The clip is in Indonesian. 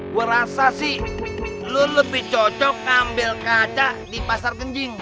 gue rasa sih lo lebih cocok ambil kaca di pasar genjing